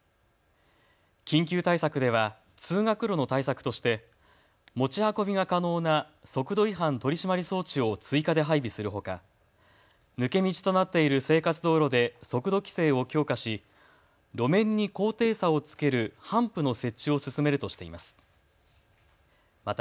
緊急対策では通学路の対策として持ち運びが可能な速度違反取り締まり装置を追加で配備するほか抜け道となっている生活道路で速度規制を強化し路面に高低差をつける、ハンプの設置を進めるとしています。